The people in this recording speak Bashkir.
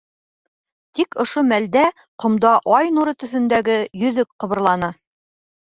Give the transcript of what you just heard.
Тик ошо мәлдә ҡомда ай нуры төҫөндәге йөҙөк ҡыбырланы.